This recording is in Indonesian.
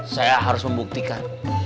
saya harus membuktikan